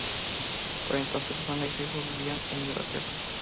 Por entonces Juana y su hijo vivían en Inglaterra.